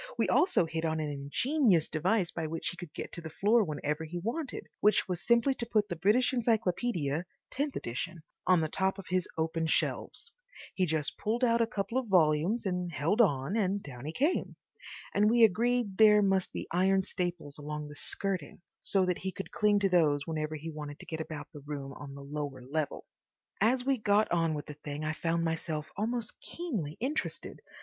We also hit on an ingenious device by which he could get to the floor whenever he wanted, which was simply to put the British Encyclopaedia (tenth edition) on the top of his open shelves. He just pulled out a couple of volumes and held on, and down he came. And we agreed there must be iron staples along the skirting, so that he could cling to those whenever he wanted to get about the room on the lower level. As we got on with the thing I found myself almost keenly interested.